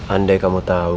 andai kamu tau